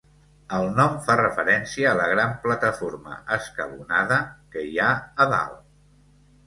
El nom fa referència a la gran plataforma escalonada que hi ha a dalt.